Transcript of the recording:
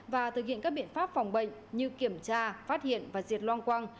và thực hiện các biện pháp phòng bệnh như kiểm tra phát hiện và diệt loang quang